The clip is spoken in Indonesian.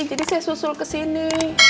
jadi saya susul ke sini